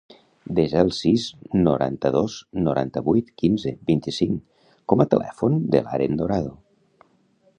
Desa el sis, noranta-dos, noranta-vuit, quinze, vint-i-cinc com a telèfon de l'Aren Dorado.